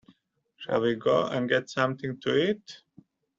Shall we go and get something to eat?